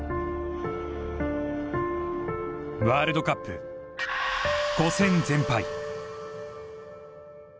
ワールドカップ５戦全敗。